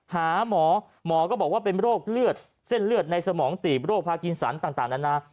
หาหมอก็บอกว่าเป็นโรคเส้นเลือดในสมองตีบโรคภาคีนสรรค์ต่างนานา